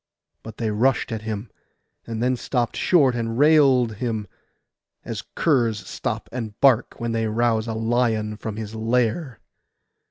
But they rushed at him; and then stopped short and railed him, as curs stop and bark when they rouse a lion from his lair.